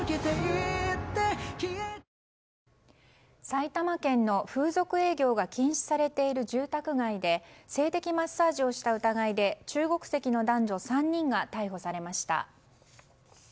埼玉県の風俗営業が禁止されている住宅街で性的マッサージをした疑いで中国籍の男女３人が逮捕されました。